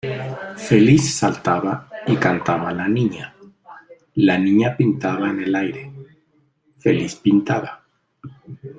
Feliz saltaba y cantaba la niña, la niña pintaba en el aire, feliz pintaba....